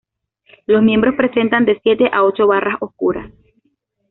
Los miembros presentan de siete a ocho barras oscuras.